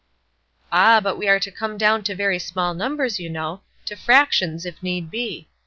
"Ah, but we are to come down to very small numbers, you know, to fractions, if need be.